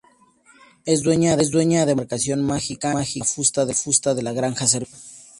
Es dueña además de una embarcación mágica, la Fusta de la Gran Serpiente.